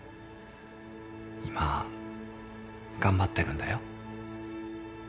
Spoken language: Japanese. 今頑張ってるんだよ。